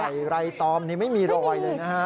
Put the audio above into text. ไต่ไรตอมนี่ไม่มีรอยเลยนะครับ